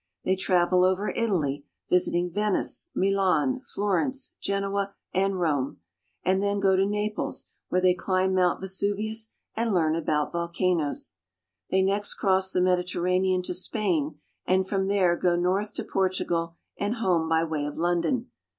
They travel over Italy, visiting Venice, Milan, Florence, Genoa, and Rome ; and then go to Naples, where they climb Mount Vesu vius and learn about volcanoes. They next cross the Mediter ranean to Spain, and from there go north to Portugal, and home by way of London.